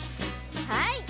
はい！